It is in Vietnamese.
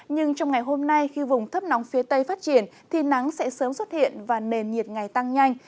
nhưng trong ngày hôm nay khi vùng thấp nóng phía tây phát triển thì nắng sẽ sớm xuất hiện và nền nhiệt ngày tăng nhanh